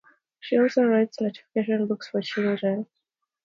She also writes nonfiction books for children.